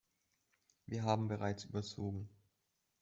Wir haben bereits überzogen.